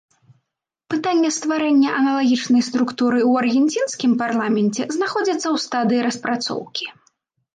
Пытанне стварэння аналагічнай структуры ў аргенцінскім парламенце знаходзіцца ў стадыі распрацоўкі.